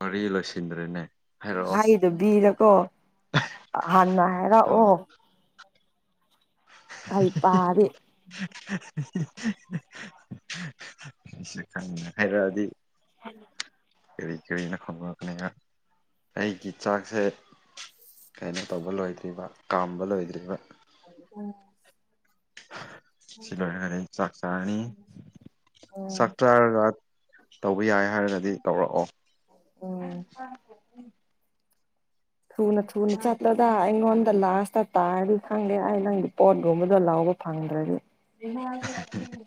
ꯃꯔꯤ ꯂꯣꯏꯁꯤꯟꯗ꯭ꯔꯦ ꯈꯥꯏꯗꯨꯣꯕꯤꯔꯀꯣ ꯍꯥꯟꯅ ꯑ ꯍꯥꯏꯔꯛꯑꯣ ꯍꯩꯄꯥꯗꯤ [unintelligible] [unintelligible] ꯀꯔꯤ ꯀꯔꯤꯅ ꯈꯪ [unintelligible] ꯑꯩꯒꯤ ꯆꯥꯛꯁꯦ ꯀꯩꯅꯣ ꯇꯧꯕ ꯂꯣꯏꯗ꯭ꯔꯤꯕ ꯀꯥꯝꯕ ꯂꯣꯏꯗ꯭ꯔꯤꯕ ꯎꯝ ꯁꯤ ꯂꯣꯏꯔꯒ ꯆꯥꯛ ꯆꯥꯔꯅꯤ ꯎꯝ ꯆꯥꯛ ꯆꯥꯔꯒ ꯇꯧꯕ ꯌꯥꯏ ꯍꯥꯏꯔꯗꯤ ꯇꯧꯔꯛꯑꯣ [inaudible] [inaudible] [inaudible] ꯊꯨꯅ ꯊꯨꯅ ꯆꯠꯂꯗ ꯑꯩꯉꯣꯟꯗ ꯂꯥꯁꯇ ꯇꯥꯔꯤ ꯈꯪꯗꯦ ꯑꯩ ꯅꯪꯒꯤ ꯄꯣꯠꯒꯨꯝꯕꯗꯣ ꯂꯧꯕ꯫ ꯐꯪꯗ꯭ꯔꯗꯤ꯫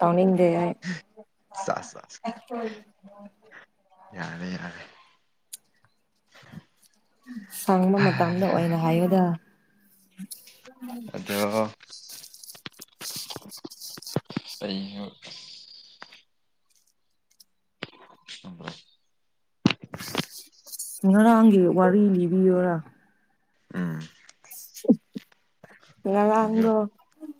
ꯇꯧꯅꯤꯡꯗꯦ ꯑꯩ꯫ ꯆꯥꯁ ꯆꯥꯁ ꯌꯥꯔꯦ ꯌꯥꯔꯦ ꯁꯪꯕ ꯃꯇꯝꯗ ꯑꯣꯏꯅ ꯍꯥꯏꯌꯨꯗꯥ ꯑꯗꯣ [inaudible] [unintelligible] [unintelligible] ꯉꯔꯥꯡꯒꯤ ꯋꯥꯔꯤ ꯂꯤꯕꯤꯌꯣꯔꯥ ꯎꯝ ꯉꯔꯥꯡꯗꯣ꯫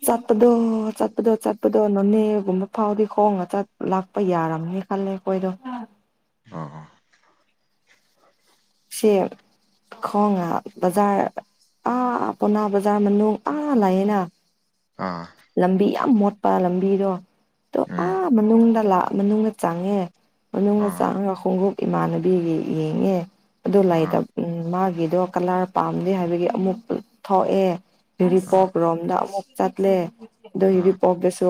ꯆꯠꯄꯗꯣ ꯆꯠꯄꯗꯣ ꯆꯠꯄꯗꯣ ꯅꯣꯅꯦꯒꯨꯝꯕ ꯐꯥꯎꯗꯤ ꯈꯣꯡꯅ ꯆꯠ ꯂꯥꯛꯄ ꯌꯥꯔꯝꯅꯤ ꯈꯜꯂꯦ ꯑꯩꯈꯣꯏꯗꯣ꯫ ꯑꯣ ꯁꯤ ꯈꯣꯡꯅ ꯕꯖꯥꯔ꯫ ꯑꯥ ꯄꯥꯎꯅꯥ ꯕꯖꯥꯔ ꯃꯅꯨꯡ ꯑꯥ ꯂꯩꯌꯦꯅ꯫ ꯑꯥ꯫ ꯂꯝꯕꯤ ꯌꯥꯝ ꯃꯣꯠꯄ ꯂꯝꯕꯤꯗꯣ ꯇꯣ ꯑꯥ ꯃꯅꯨꯡꯗ ꯂꯥꯛ ꯃꯅꯨꯡꯗ ꯆꯪꯉꯦ꯫ ꯃꯅꯨꯡꯗ ꯑꯥ ꯆꯪꯉꯒ ꯈꯣꯡꯎꯞ ꯏꯃꯥꯟꯅꯕꯤꯒꯤ ꯌꯦꯡꯉꯦ꯫ ꯑꯗꯨ ꯑꯥ ꯂꯩꯇꯕ ꯃꯥꯒꯤꯗꯣ ꯀꯂꯔ ꯄꯥꯝꯗꯦ ꯍꯥꯏꯕꯒꯤ ꯑꯃꯨꯛ ꯊꯣꯛꯑꯦ꯫ ꯑꯥ ꯎꯔꯤꯄꯣꯛ ꯔꯣꯝꯗ ꯑꯃꯨꯛ ꯆꯠꯂꯦ ꯑꯗꯣ ꯑꯥ ꯎꯔꯤꯄꯣꯛꯇꯁꯨ꯫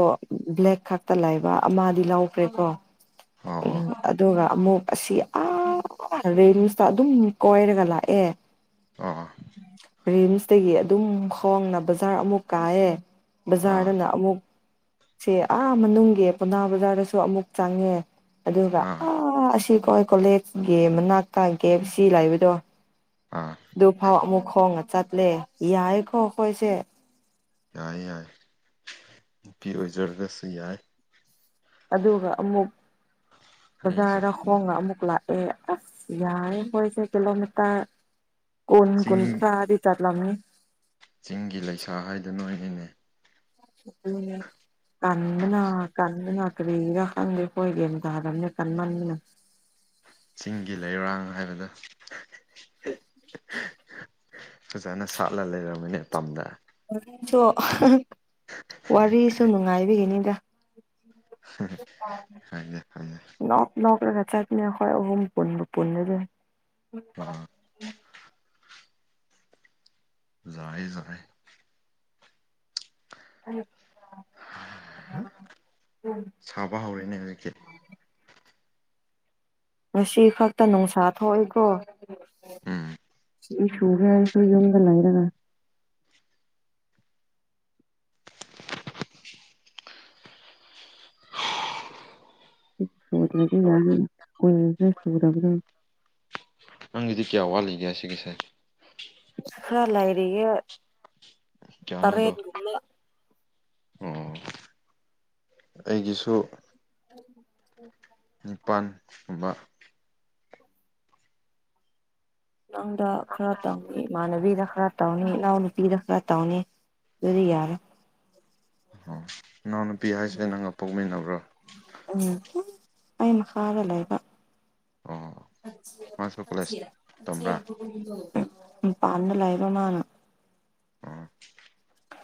ꯕ꯭ꯂꯦꯛ ꯈꯛꯇ ꯂꯩꯕ ꯑꯃꯗꯤ ꯂꯧꯈ꯭ꯔꯦꯀꯣ꯫ ꯑꯣ ꯑꯣ ꯎꯝ ꯑꯗꯨꯒ ꯑꯃꯨꯛ ꯑꯁꯤ ꯑꯥ ꯔꯤꯝꯁ꯫ ꯑꯗꯨꯝ ꯀꯣꯏꯔꯒ ꯂꯥꯛꯑꯦ꯫ ꯑꯣ ꯔꯤꯝꯁꯇꯒꯤ ꯑꯗꯨꯝ ꯈꯣꯡꯅ ꯕꯖꯥꯔ ꯑꯃꯨꯛ ꯀꯥꯏꯌꯦ꯫ ꯕꯖꯥꯔꯗꯅ ꯑꯥ ꯑꯃꯨꯛ ꯁꯝ ꯑꯥ ꯃꯅꯨꯡꯒꯤ ꯄꯥꯎꯅꯥ ꯕꯖꯥꯔꯗꯁꯨ ꯑꯃꯨꯛ ꯆꯪꯉꯦ꯫ ꯑꯗꯨꯒ ꯑꯥ ꯑꯁꯤ ꯑꯩꯈꯣꯏ ꯀꯣꯂꯦꯖꯒꯤ ꯃꯅꯥꯛꯇ ꯀꯦ ꯑꯦꯐ ꯁꯤ ꯂꯥꯩꯕꯗꯣ꯫ ꯑꯥ ꯑꯗꯨꯐꯥꯎ ꯑꯃꯨꯛ ꯈꯣꯡꯅ ꯆꯠꯂꯦ ꯌꯥꯏꯀꯣ ꯑꯩꯈꯣꯏꯁꯦ꯫ ꯌꯥꯏ ꯌꯥꯏ ꯅꯨꯄꯤ ꯑꯣꯏꯖꯔꯒꯁꯨ ꯌꯥꯏ꯫ ꯑꯗꯨꯒ ꯑꯃꯨꯛ ꯑꯩꯁꯨ ꯕꯖꯥꯔꯗ ꯑꯗꯨꯝ ꯈꯣꯡꯅ ꯑꯃꯨꯛ ꯂꯥꯛ꯫ ꯑꯦ ꯑꯁ ꯌꯥꯏ ꯈꯣꯏꯁꯦ ꯀꯤꯂꯣꯃꯤꯇꯔ ꯀꯨꯟ ꯆꯤꯡ ꯀꯨꯟꯊ꯭ꯔꯥꯗꯤ꯫ ꯆꯠꯂꯝꯃꯤ꯫ ꯆꯤꯡꯒꯤ ꯂꯩꯁꯥ ꯍꯥꯏꯗꯨ ꯅꯣꯏꯅꯤꯅꯦ꯫ [unintelligible] ꯀꯟꯕꯅ ꯀꯟꯕꯅ꯫ ꯀꯔꯤꯒꯤꯔꯥ ꯈꯪꯗꯦ ꯈꯣꯏ ꯒꯦꯝ ꯇꯥꯗꯝꯅꯦ ꯀꯟꯃꯟꯕꯅ꯫ ꯆꯤꯡꯒꯤ ꯂꯩꯔꯥꯡ ꯍꯥꯏꯕꯗꯣ꯫ ꯐꯖꯅ ꯁꯥꯠꯂ ꯂꯩꯔꯝꯃꯤꯅꯦ ꯇꯝꯗ꯫ ꯁꯨ ꯋꯥꯔꯤꯁꯨ ꯅꯨꯡꯉꯥꯏꯕꯒꯤꯅꯤꯗ꯫ [unintelligible] ꯅꯣꯛ ꯅꯣꯛꯔꯒ ꯆꯠꯄꯅꯦ ꯑꯩꯈꯣꯏ ꯑꯍꯨꯝ ꯄꯨꯟꯕꯨ ꯄꯨꯟꯂꯗꯤ꯫ ꯑ꯫ ꯖꯥꯏ ꯖꯥꯏ꯫ [unintelligible] ꯁꯥꯕ ꯍꯧꯔꯦꯅꯦ ꯍꯧꯖꯤꯛꯁꯤ꯫ ꯉꯁꯤ ꯈꯛꯇ ꯅꯨꯡꯁꯥ ꯊꯣꯛꯏꯀꯣ꯫ ꯎꯝ ꯆꯨꯒꯦ ꯍꯥꯏꯁꯨ ꯌꯨꯝꯗ ꯂꯩꯔꯒ꯫ [unintelligible] ꯅꯪꯒꯤꯗꯤ ꯀꯌꯥ ꯋꯥꯠꯂꯤꯒꯦ ꯁꯤꯒꯁꯦ ꯈꯔꯥ ꯂꯥꯏꯔꯤꯌꯦ ꯀꯌꯥꯅꯣꯗꯣ ꯇꯔꯦꯠ ꯑꯣ ꯑꯩꯒꯤꯁꯨ [inaudible] ꯅꯤꯄꯥꯟꯒꯨꯝꯕ ꯅꯪꯗ ꯈꯔ ꯇꯧꯅꯤ ꯏꯃꯥꯟꯅꯕꯤꯗ ꯈꯔ ꯇꯧꯅꯤ ꯏꯅꯥꯎ ꯅꯨꯄꯤꯗ ꯈꯔ ꯇꯧꯅꯤ ꯑꯗꯨꯗꯤ ꯌꯥꯔꯦ꯫ ꯑꯣ ꯏꯅꯥꯎꯅꯨꯄꯤ ꯍꯥꯏꯁꯦ ꯅꯪꯒ ꯄꯣꯛꯃꯤꯟꯅꯕ꯭ꯔꯣ꯫ ꯎꯝ ꯑꯩ ꯃꯈꯥꯗ ꯂꯩꯕ꯫ ꯑꯣ ꯃꯥꯁꯨ ꯀꯣꯂꯦꯖ ꯇꯝꯕ꯭ꯔꯥ [unintelligible] ꯃꯄꯥꯟꯗ ꯂꯩꯕ ꯃꯥꯅ꯫ ꯑꯣ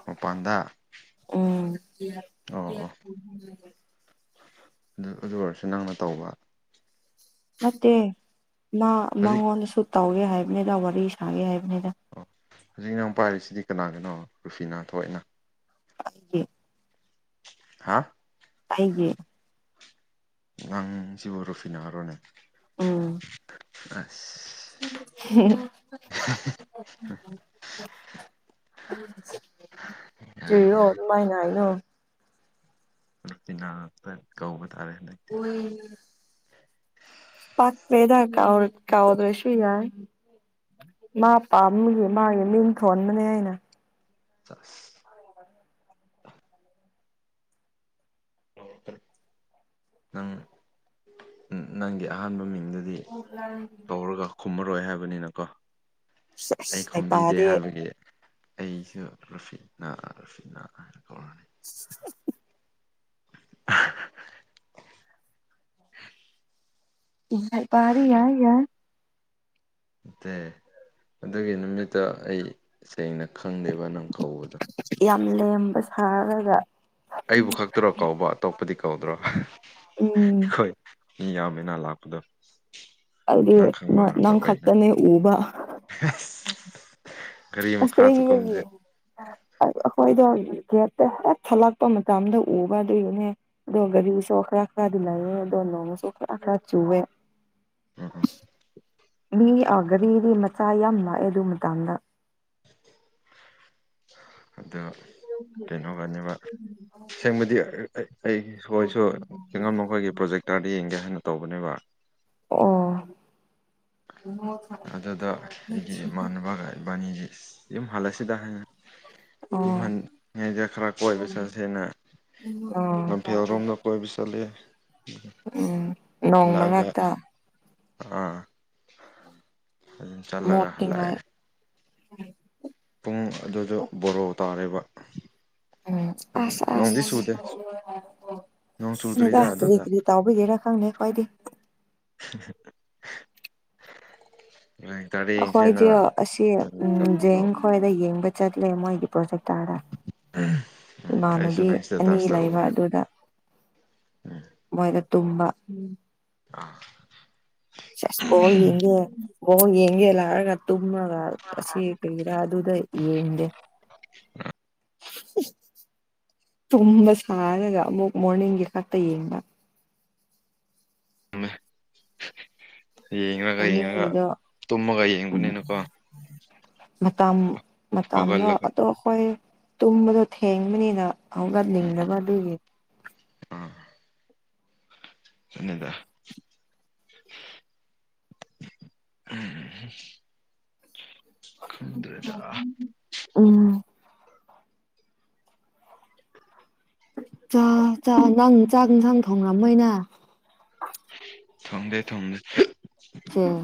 ꯃꯄꯥꯟꯗ꯫ ꯎꯝ꯫ ꯑꯣ ꯑꯣ ꯑꯗꯨ ꯑꯗꯨ ꯑꯣꯏꯔꯁꯨ ꯅꯪꯅ ꯇꯧꯕ ꯅꯠꯇꯦ ꯃꯥ ꯍꯧꯖꯤꯛ ꯃꯉꯣꯟꯗꯁꯨ ꯇꯧꯒꯦ ꯍꯥꯏꯕꯅꯤꯗ ꯋꯥꯔꯤ ꯁꯥꯒꯦ ꯍꯥꯏꯕꯅꯤꯗ ꯑꯣ ꯍꯧꯖꯤꯛꯅ ꯑꯃꯨꯛ ꯄꯥꯏꯔꯤꯁꯤꯗꯤ ꯀꯅꯥꯒꯤꯅꯣ ꯔꯨꯐꯤꯅꯥ ꯊꯣꯛꯏꯅ [unintelligible] ꯍꯥ ꯑꯩꯒꯤ ꯅꯥꯡꯁꯤꯕꯨ ꯔꯨꯐꯤ ꯅꯍꯔꯣꯅꯦ ꯎꯝ ꯑꯁ ꯎꯝ ꯍꯥ ꯌꯥꯏ ꯀꯔꯣ ꯌꯥꯏ ꯑꯗꯨꯃꯥꯏꯅ ꯍꯥꯏꯅꯣ ꯉ ꯉꯥꯛꯇ ꯀꯧꯕ ꯇꯥꯔꯦ ꯍꯟꯗꯛ [unintelligible] ꯄꯛꯇꯦꯗ ꯀꯧ ꯀꯧꯔꯁꯨ ꯌꯥꯏ ꯃꯥ ꯄꯥꯝꯃꯒꯦ ꯃꯥꯒꯤ ꯃꯤꯡ ꯊꯣꯟꯕꯅꯦ ꯑꯩꯅ [unintelligible] ꯅꯪ ꯅꯪꯒꯤ ꯑꯍꯥꯟꯕ ꯃꯤꯡꯗꯨꯗꯤ [unintelligible] ꯀꯧꯔꯒ ꯈꯨꯝꯃꯔꯣꯏ ꯍꯥꯏꯕꯅꯤꯅꯀꯣ ꯑꯩ ꯁꯦꯁ ꯈꯨꯝꯕꯤꯗꯦ ꯍꯩꯄꯥꯗꯤ ꯍꯥꯏꯕꯒꯤ ꯑꯩꯁꯨ ꯔꯨꯐꯤꯠꯅꯥ ꯔꯨꯐꯤꯠꯅꯥ ꯍꯥꯏꯅ ꯀꯧꯔꯅꯤ [unintelligible] [unintelligible] ꯌꯥꯔ ꯔ ꯌꯥꯏ ꯌꯥꯔ ꯦ ꯑꯗꯨꯒꯤ ꯅꯨꯃꯤꯠꯇ ꯑꯩ ꯁꯦꯡꯅ ꯈꯪꯗꯦꯕ ꯅꯪ ꯀꯧꯕꯗꯣ ꯌꯥꯝ ꯂꯦꯝꯕ ꯁꯥꯔꯒ ꯑꯩꯕꯨ ꯈꯛꯇ꯭ꯔꯣ ꯀꯧꯕ ꯑꯇꯣꯞꯄꯗꯤ ꯀꯧꯗ꯭ꯔꯣ ꯎꯝ ꯑꯩꯈꯣꯏ ꯌꯥꯎꯕꯅꯥ ꯂꯥꯛꯄꯗꯣ ꯅꯪ ꯍꯥꯏꯗꯤꯅꯪ ꯈꯛꯇꯅꯦ ꯎꯕ ꯀꯔꯤ ꯃꯈꯥꯁꯨ ꯑꯁꯦꯡꯕꯒꯤ ꯀꯝꯗꯦ ꯑꯩꯈꯣꯏꯗꯣ ꯒꯦꯠꯇ ꯍꯦꯛ ꯊꯠꯂꯛꯄ ꯃꯇꯝꯗ ꯎꯕ ꯑꯗꯨꯒꯤꯅꯦ ꯗꯒꯗꯤ ꯁꯣꯈꯔꯈ꯭ꯔꯗꯤꯂꯌꯦ ꯗꯣꯟꯅꯣꯡ ꯁꯣꯈꯔꯈ꯭ꯔ ꯆꯦ ꯎꯝ ꯎꯝ ꯃꯤ ꯒꯥꯔꯤꯒꯤ ꯃꯆꯥ ꯌꯥꯝ ꯂꯥꯛꯑꯦ ꯑꯗꯨ ꯃꯇꯗ ꯑ ꯀꯩꯅꯣꯒꯅꯦꯕ ꯁꯦꯡꯕꯨꯗꯤ ꯑꯩ ꯑꯩ ꯁꯣꯏꯁꯨ ꯑꯉꯝ ꯃꯈꯣꯏꯒꯤ ꯄ꯭ꯔꯣꯖꯦꯛꯇꯔꯗ ꯌꯦꯡꯒꯦ ꯍꯥꯏꯅ ꯇꯧꯕꯅꯦꯕ ꯑꯣ ꯑꯗꯨꯗ ꯑꯩꯒꯤ ꯏꯃꯥꯟꯅꯕꯒ ꯏꯕꯥꯅꯤꯁꯤ ꯑꯗꯨꯝ ꯍꯥꯂꯁꯤꯗ ꯍ ꯑꯣ ꯌꯤꯡꯍꯜꯂꯤꯉꯩꯗ ꯈꯔ ꯀꯣꯏꯕ ꯆꯠꯁꯦꯅ ꯑꯣ ꯂꯝꯐꯦꯜ ꯔꯣꯝꯗ ꯀꯣꯏꯕ ꯆꯠꯂꯦ ꯎꯝ ꯅꯣꯡ ꯍꯜꯂꯛꯑꯒ ꯃꯔꯅꯥꯛꯇ ꯑꯥ ꯑꯗꯨꯝ ꯆꯠꯂꯒ ꯍꯜꯂꯛꯑꯦ ꯃꯣꯠꯅꯤꯡꯉꯥꯏ ꯄꯨꯡ ꯑꯗꯨꯗ ꯕꯣꯔꯣ ꯇꯥꯔꯤꯕ ꯑ ꯅꯣꯡ ꯆꯨꯗ꯭ꯔꯤꯗ ꯑꯗꯨꯗ ꯑꯀ ꯇꯎꯕꯤꯒꯦꯔꯥ ꯈꯪꯗꯦ ꯀꯋꯥꯏꯗ [unintelligible] ꯑꯩꯈꯣꯏꯗꯤ ꯌꯦꯡꯁꯦꯅ ꯑꯁꯤ ꯎꯝ ꯇꯧ ꯖꯦꯡ ꯈꯣꯏꯗ ꯌꯦꯡꯕ ꯆꯠꯂꯦ ꯃꯣꯏꯒꯤ ꯄ꯭ꯔꯣꯖꯦꯛꯇꯥꯗ ꯎꯝ ꯎꯝ ꯑꯩꯁꯨ ꯏꯃꯥꯟꯅꯕꯤ ꯅꯪ ꯑꯅꯤ ꯏꯁꯇꯦꯇꯥꯁꯇ ꯂꯩꯕ ꯎꯔꯦ ꯑꯗꯨꯗ ꯎꯝ ꯃꯣꯏꯅ ꯇꯨꯝꯕ ꯑꯥ ꯑꯁ ꯕ ꯌꯦꯡꯒꯦ ꯕꯣꯔ ꯌꯦꯡꯒꯦ ꯂꯔꯒ ꯇꯨꯝꯃꯒ ꯑꯁꯤ ꯐꯔꯥ ꯑꯗꯨꯗ ꯌꯦꯗ ꯇꯨꯝꯕ ꯁꯥꯔꯒ ꯑꯃꯨꯛ ꯃꯣꯔꯅꯤꯡꯒꯤ ꯈꯛꯇ ꯌꯦꯡꯕ ꯃꯦ ꯌꯦꯡꯉꯒ ꯌꯦꯡꯉꯒ ꯃꯤꯒꯤꯗꯣ ꯇꯨꯝꯃꯒ ꯌꯦꯡꯕꯅꯤꯅꯀꯣ ꯃꯇꯝ ꯃꯇꯝꯗꯣ ꯍꯧꯒꯠꯂꯒ ꯑꯇꯣꯞꯕꯒꯤ ꯇꯨꯝꯕꯗꯣ ꯊꯦꯡꯕꯅꯤꯅ ꯍꯧꯒꯠꯅꯤꯡꯗꯕ ꯑꯗꯨꯒꯤ ꯑꯥ ꯊꯗ [inaudible] ꯈꯪꯗꯔꯦꯗ ꯎꯝ ꯅꯪ ꯆꯥꯛꯁꯥꯡ ꯊꯣꯡꯉꯝꯃꯣꯏꯅ ꯊꯣꯡꯗꯦ ꯊꯣꯡꯗꯦ ꯑꫭ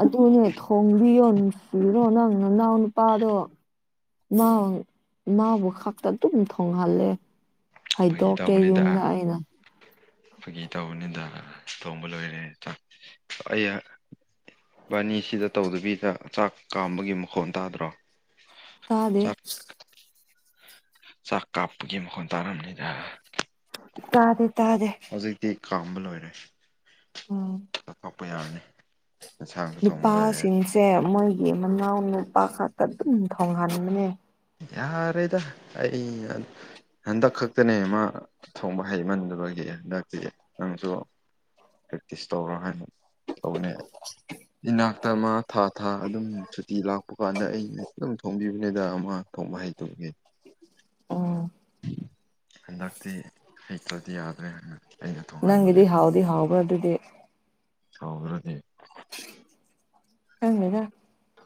ꯑꯗꯨ ꯊꯣꯡꯕꯤꯌꫭ ꯅꯣ ꯅꯪ ꯅ ꯅꯅꯥꯎ ꯅꯨꯄꯥꯗꯣ ꯅꯅꯥꯎ ꯅꯅꯥꯎꯕꯨ ꯈꯛꯇ ꯑꯗꯨꯝ ꯊꯣꯡꯍꯜꯂꯦ ꯐꯒꯤ ꯍꯥꯏꯗꯣꯛꯀꯦ ꯇꯧꯕꯅꯤꯗ ꯌꯨꯝꯗ ꯑꯩꯅ ꯐꯒꯤ ꯇꯧꯕꯅꯤꯗ ꯊꯣꯡꯕ ꯂꯣꯏꯔꯦ ꯑꯩ ꯏꯕꯥꯅꯤ ꯁꯤꯗ ꯇꯧꯗꯕꯤꯗ ꯆꯥꯛ ꯀꯥꯝꯕꯒꯤ ꯃꯈꯣꯟ ꯇꯥꯗ꯭ꯔꯣ ꯇꯥꯗꯦ ꯆꯥꯛ ꯆꯥꯛ ꯀꯥꯞꯄꯒꯤ ꯃꯈꯣꯟ ꯇꯥꯔꯝꯅꯤꯗ ꯇꯥꯗꯦ ꯇꯥꯗꯦ ꯗꯤ ꯀꯥꯝꯕ ꯂꯣꯏꯔꯦ ꯎꯝ ꯀꯥꯄ ꯌꯥꯔꯅꯤ ꯌꯦꯟꯁꯥꯡꯁꯨ ꯊꯣꯡꯕ ꯂꯣꯏꯔꯦ ꯅꯨꯄꯥꯁꯤꯡꯁꯦ ꯃꯣꯏꯒꯤ ꯃꯅꯥꯎ ꯅꯨꯄꯥ ꯈꯛꯇ ꯑꯗꯨꯝ ꯊꯣꯡꯍꯟꯕꯅꯦ ꯌꯥꯔꯣꯢꯗ ꯑꯩ ꯍꯟꯗꯛ ꯈꯛꯇꯅꯦ ꯃ ꯊꯣꯡꯕ ꯍꯩꯃꯟꯗꯕꯒꯤ ꯍꯟꯗꯛꯇꯤ ꯅꯪꯁꯨ ꯄ꯭ꯔꯦꯛꯇꯤꯁ ꯇꯧꯔꯣ ꯍꯥꯏꯅ ꯇꯧꯕꯅꯦ ꯏꯅꯥꯛꯇ ꯃꯥ ꯊꯥ ꯊꯥ ꯑꯗꯨꯝ ꯁꯨꯇꯤ ꯂꯥꯛꯄ ꯂꯥꯛꯄꯀꯥꯟꯗ ꯑꯩꯩꯅ ꯑꯗꯨꯝ ꯊꯣꯡꯕꯤꯕꯅꯤꯗꯥ ꯃ ꯊꯣꯡꯕ ꯍꯩꯇꯕꯒꯤ ꯑꯣ ꯍꯟꯗꯛꯇꯤ ꯍꯩꯇ꯭ꯔꯗꯤ ꯌꯥꯗ꯭ꯔꯦ ꯍꯥꯏꯅ ꯑꯩꯅ ꯊꯣꯡꯍꯟꯕꯅꯦ ꯅꯪꯒꯤꯗꯤ ꯍꯥꯎꯗꯤ ꯍꯥꯎꯕ꯭ꯔꯥ ꯑꯗꯨꯗꯤ ꯍꯥꯎꯗ꯭ꯔꯗꯤ ꯈꯪꯗꯦꯗ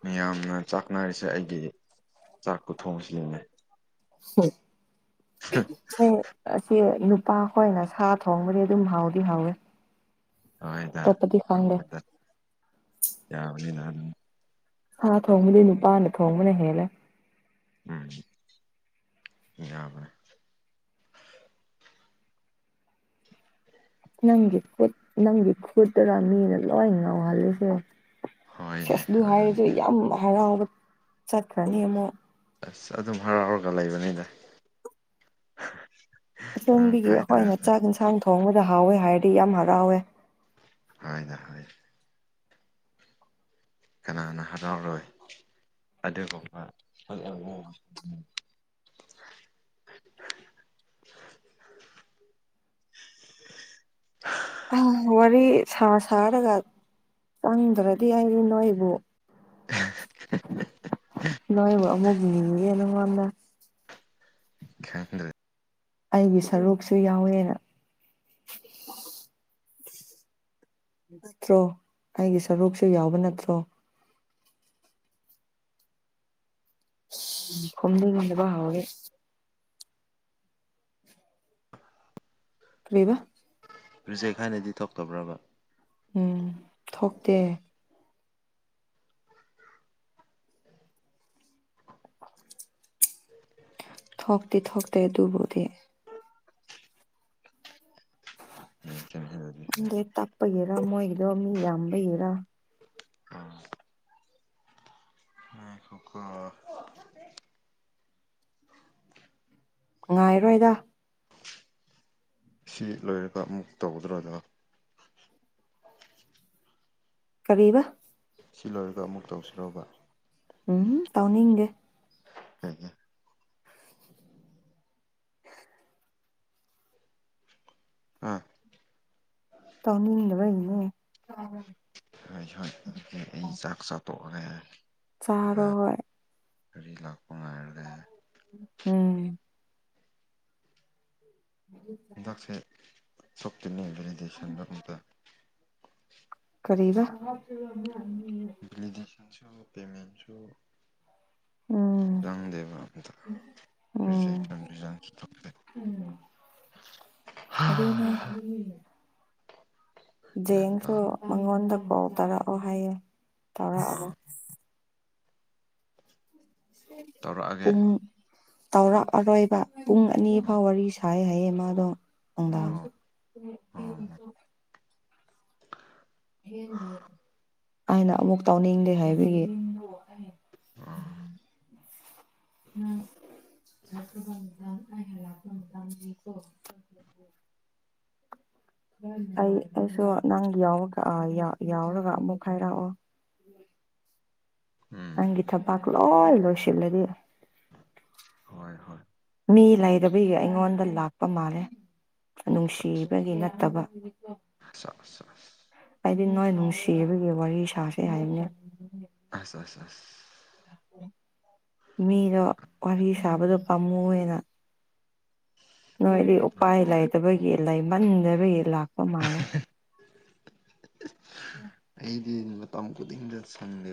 ꯃꯤꯌꯥꯝꯅ ꯆꯥꯛ ꯅꯥꯏꯔꯤꯁꯦ ꯑꯩꯒꯤ ꯆꯥꯛ ꯈꯨꯊꯣꯛꯁꯤꯅꯦ ꯍ [inaudible] ꯍꯥ ꯑꯁꯤ ꯅꯨꯄꯥ ꯈꯣꯏꯅ ꯁꯥ ꯊꯣꯡꯕꯗꯤ ꯑꯗꯨꯝ ꯍꯥꯎꯗꯤ ꯍꯥꯎꯋꯦ ꯍꯣꯏꯗ ꯑꯇꯣꯞꯄꯗꯤ ꯈꯪꯗꯦ ꯍꯥꯎꯕꯅꯤꯗ ꯌꯥꯕꯅꯤꯗ ꯑꯗꯨꯝ ꯁꯥ ꯊꯣꯡꯕꯗꯤ ꯅꯨꯄꯥꯅ ꯊꯣꯡꯕꯅ ꯍꯦꯜꯂꯦ꯫ ꯎꯝ ꯌꯥꯕꯅꯦ꯫ ꯅꯪꯒꯤ ꯈꯨꯠ ꯅꯪꯒꯤ ꯈꯨꯠꯇꯨꯔ ꯃꯤꯅ ꯂꯣꯏ ꯉꯥꯎꯍꯜꯂꯤꯖꯦ꯫ ꯍꯣꯏꯅꯦ ꯁꯦꯁ ꯗꯨꯨ ꯍꯥꯏꯔꯗꯤ ꯑꯗꯨꯅꯤ ꯌꯥꯝ ꯍꯔꯥꯎꯔ ꯆꯠꯈ꯭ꯔꯅꯤ ꯑꯃꯨꯛ꯫ ꯑꯁ ꯑꯗꯨꯝ ꯍꯔꯥꯎꯔꯒ ꯂꯩꯕꯅꯤꯗ꯫ ꯅꯪ ꯑꯁꯦꯡꯕꯒꯤ ꯑꯩꯈꯣꯏꯅ ꯍꯥꯏꯗ꯭ꯔꯁꯨ ꯆꯥꯛ ꯏꯟꯁꯥꯡ ꯊꯣꯡꯕꯗ ꯍꯥꯎꯋꯦ ꯍꯥꯏꯔꯗꯤ ꯌꯥꯝ ꯍꯔꯥꯎꯋꯦ ꯍꯣꯏꯗ ꯍꯣꯏ ꯀꯅꯥꯅ ꯍꯔꯥꯎꯔꯣꯏ ꯑꯗꯨꯒꯨꯝꯕ ꯋꯥꯔꯤ ꯁꯥ ꯁꯥꯔꯒ ꯆꯪꯗ꯭ꯔꯗꯤ ꯍꯥꯏꯔꯤ ꯅꯣꯏꯕꯨ ꯅꯣꯏꯕꯨ ꯑꯃꯨꯛꯅꯤ ꯅꯉꯣꯟꯗ [inaudible] ꯈꯔꯤ [inaudible] ꯑꯩꯒꯤ ꯁꯔꯨꯛꯁꯨ ꯌꯥꯎꯋꯦꯅ꯫ ꯅꯠꯇ꯭ꯔꯣ ꯑꯩꯒꯤ ꯁꯔꯨꯛꯁꯨ ꯌꯥꯎꯕ ꯅꯠꯇ꯭ꯔꯣ꯫ ꯈꯨꯝꯅꯤꯡꯗꯕ ꯍꯧꯔꯦ꯫ ꯀꯔꯤꯕ ꯔꯤꯖꯦꯛ ꯍꯥꯏꯅꯗꯤ ꯊꯣꯛꯇꯕ꯭ꯔꯕ꯫ ꯎꯝ ꯊꯣꯛꯇꯦ꯫ ꯊꯣꯛꯇꯤ ꯊꯣꯛꯇꯦ ꯑꯗꯨꯕꯨꯗꯤ꯫ ꯌꯦꯡ [unintelligible] ꯈꯪꯗꯦ ꯇꯞꯄꯒꯤꯔ ꯃꯣꯏꯒꯤꯗꯣ ꯃꯤ ꯌꯥꯝꯕꯩꯔ꯫ ꯎꯝ ꯉꯥꯏꯈꯣꯀꯣ [unintelligible] ꯉꯥꯏꯔꯣꯏꯗ꯫ ꯁꯤ ꯂꯣꯏꯔꯒ ꯑꯃꯨꯛ ꯇꯧ [unintelligible] ꯀꯔꯤꯕ꯫ ꯁꯤ ꯂꯣꯏꯔꯒ ꯑꯃꯨꯛ ꯇꯧꯁꯤꯔꯣꯕ꯫ ꯎꯝ ꯇꯧꯅꯤꯡꯗꯦ꯫ ꯑꯥ ꯇꯧꯅꯤꯡꯗꯕꯩꯅꯦ ꯇꯥꯕꯔꯣ꯫ [unintelligible] ꯑꯩ ꯆꯥꯛ ꯆꯥ ꯇꯣꯛꯑꯔꯦꯅꯤ꯫ ꯆꯥꯔꯣ ꯍꯣꯏ꯫ ꯂꯥꯛꯄ ꯉꯥꯏꯔꯒꯦ ꯎꯝ꯫ [unintelligible] ꯍꯤꯗꯥꯛꯁꯦ [unintelligible] ꯀꯔꯤꯕ [unintelligible] [unintelligible] ꯄꯦꯃꯦꯟꯁꯨ ꯎꯝ꯫ ꯈꯣꯗꯦꯕ ꯑꯝꯇ ꯔꯤꯖꯦꯛ [unintelligible] ꯎꯝ ꯑꯗꯨꯅꯦ ꯒ꯭ꯌꯥꯟ ꯖꯦꯡꯁꯨ ꯇꯥꯔꯦ ꯃꯉꯣꯟꯗ ꯄꯥꯎ ꯇꯥꯔꯛꯑꯣ ꯍꯥꯏꯌꯦ ꯇꯧꯔꯛꯑꯕꯣ꯫ ꯑꯥ ꯇꯧꯔꯛꯑꯒꯦ ꯄꯨꯡ ꯇꯧꯔꯛꯑꯔꯣꯏꯕ ꯄꯨꯡ ꯑꯅꯤ ꯑꯥ ꯐꯥꯎ ꯋꯥꯔꯤ ꯁꯥꯏ ꯍꯥꯏꯌꯦ ꯃꯥꯗꯣ ꯅꯨꯡꯗꯥꯡ꯫ ꯑꯣ ꯎꯝ ꯎꯝ꯫ ꯑꯣ ꯑꯩꯅ ꯑꯃꯨꯛ ꯇꯧꯅꯤꯡꯗꯦ ꯍꯥꯏꯕꯒꯤ꯫ ꯑꯥ ꯑꯩ ꯍꯜꯂꯛꯄ ꯃꯇꯝꯒꯤꯀꯣ ꯑꯩ ꯑꯩꯁꯨ ꯅꯪꯒꯤ ꯌꯥꯎꯔꯒ ꯑ ꯌꯥ ꯌꯥꯎꯔꯒ ꯑꯃꯨꯛ ꯍꯥꯏꯔꯛꯑꯣ꯫ ꯎꯝ ꯅꯪꯒꯤ ꯊꯕꯥꯛ ꯂꯣꯏ ꯂꯣꯏꯁꯤꯜꯂꯗꯤ ꯍꯣꯏ ꯍꯣꯏ ꯃꯤ ꯂꯩꯗꯕꯤꯒꯤ ꯑꯩꯉꯣꯟꯗ ꯂꯥꯛꯄ ꯃꯥꯜꯂꯦ ꯑꯁ ꯅꯨꯡꯁꯤꯕꯒꯤ ꯅꯠꯇꯕ ꯑꯁ ꯑꯁ ꯍꯥꯏꯗꯤ ꯅꯣꯏ ꯅꯨꯡꯁꯤꯕꯒꯤ ꯋꯥꯔꯤ ꯁꯥꯁꯦ ꯍꯥꯏꯕꯅꯦ ꯑꯁ ꯑꯁ ꯑꯁ ꯃꯤꯗꯣ ꯋꯥꯔꯤ ꯁꯥꯕꯗꯣ ꯄꯥꯝꯃꯨꯌꯦꯅ ꯅꯣꯏꯗꯤ ꯎꯄꯥꯏ ꯂꯩꯇꯕꯒꯤ ꯂꯩꯃꯟꯗꯕꯒꯤ ꯂꯥꯛꯄ ꯃꯥꯜꯂꯦ꯫ ꯑꯩꯗꯤ ꯃꯇꯝ ꯈꯨꯗꯤꯡꯗ ꯁꯪꯗꯦ꯫